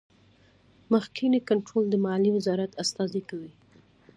مخکینی کنټرول د مالیې وزارت استازی کوي.